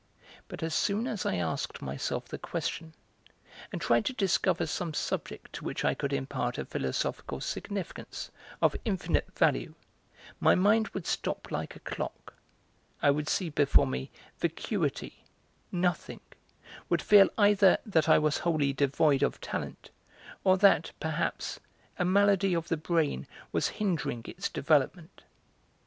But as soon as I asked myself the question, and tried to discover some subjects to which I could impart a philosophical significance of infinite value, my mind would stop like a clock, I would see before me vacuity, nothing, would feel either that I was wholly devoid of talent, or that, perhaps, a malady of the brain was hindering its development.